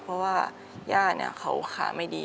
เพราะว่าย่าเนี่ยเขาขาไม่ดี